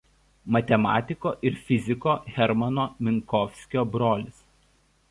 Matematiko ir fiziko Hermano Minkovskio brolis.